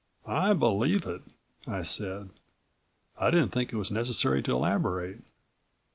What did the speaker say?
"I believe it," I said. I didn't think it was necessary to elaborate.